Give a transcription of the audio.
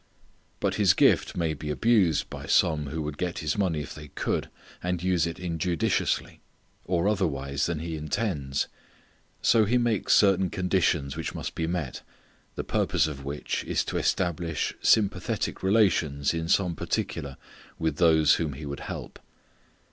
But his gift may be abused by some who would get his money if they could, and use it injudiciously, or otherwise than he intends. So he makes certain conditions which must be met, the purpose of which is to establish sympathetic relations in some particular with those whom he would help.